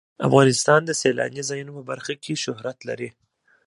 افغانستان د سیلاني ځایونو په برخه کې شهرت لري.